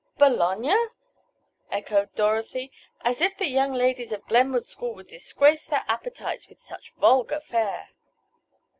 "Bologna!" echoed Dorothy. "As if the young ladies of Glenwood School would disgrace their appetites with such vulgar fare!"